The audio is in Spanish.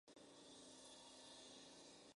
Marchó contra Islam Shah cuando estaba en Agra.